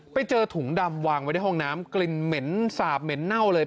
ไปเจอถุงดำวางไว้ในห้องน้ำกลิ่นเหม็นสาบเหม็นเน่าเลย